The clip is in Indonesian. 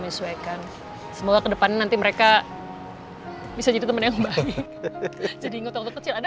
menyesuaikan semoga kedepannya nanti mereka bisa jadi temen yang jadi ngotot kecil ada